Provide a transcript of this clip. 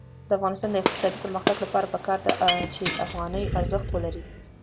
د افغانستان د اقتصادي پرمختګ لپاره پکار ده چې افغانۍ ارزښت ولري.